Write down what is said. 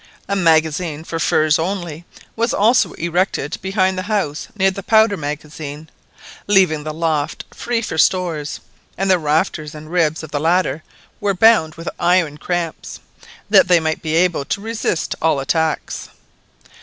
A magazine for furs only was also erected behind the house near the powder magazine, leaving the loft free for stores; and the rafters and ribs of the latter were bound with iron cramps, that they might be able to resist all attacks.